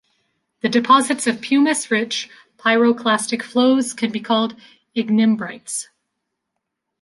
The deposits of pumice-rich pyroclastic flows can be called ignimbrites.